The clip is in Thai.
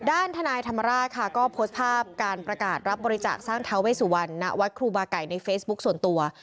ด้านทนายธรรมราชค่ะก็โพสต์ภาพการประกาศรับบริจาคสร้างท้าเวสุวรรณณวัดครูบาไก่ในเฟซบุ๊คส่วนตัว